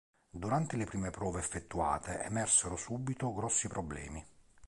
Durante le prime prove effettuate emersero subito grossi problemi.